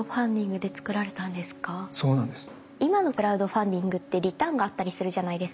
今のクラウドファンディングってリターンがあったりするじゃないですか？